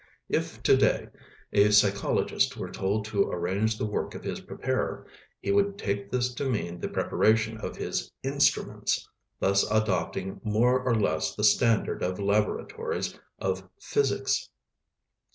If to day a psychologist were told to arrange the work of his preparer, he would take this to mean the preparation of his "instruments," thus adopting more or less the standard of laboratories of physics.